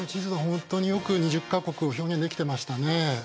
本当によく２０か国を表現できてましたね。